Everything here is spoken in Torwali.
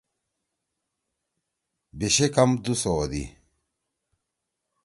یِشے کم دو سو ہودی۔